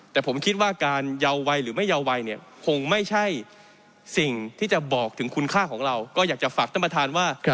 แต่ถ้าบอกถึงคุณค่าของเราก็อยากจะฝากท่านประธานว่า